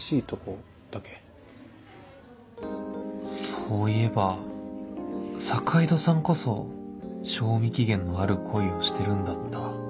そういえば坂井戸さんこそ賞味期限のある恋をしてるんだった